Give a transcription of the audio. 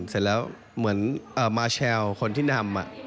เสร็จแล้วเหมือนมาแชลคนที่นำ